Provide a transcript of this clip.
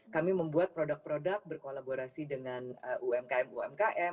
kami membuat produk produk berkolaborasi dengan umkm umkm